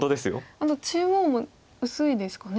あと中央も薄いですかね。